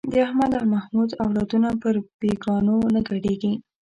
د احمد او محمود اولادونه پر بېګانو نه ګډېږي.